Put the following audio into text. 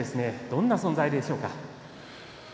どんな存在でしょうか。